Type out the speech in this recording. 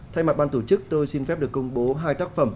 thay mặt ban tổ chức tôi xin phép được công bố hai tác phẩm